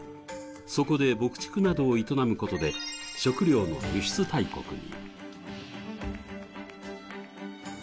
そこで牧畜などを営むことで食料の輸出大国に。